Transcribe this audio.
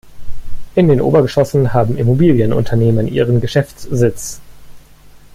In den Obergeschossen haben Immobilienunternehmen ihren Geschäftssitz.